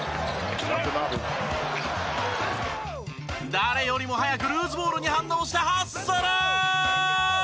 誰よりも早くルーズボールに反応してハッスル！